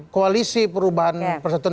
koalisi perubahan persatuan